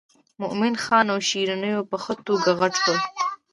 مومن خان او شیرینو په ښه توګه غټ شول.